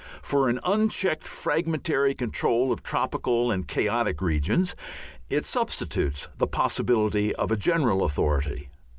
For an unchecked fragmentary control of tropical and chaotic regions, it substitutes the possibility of a general authority.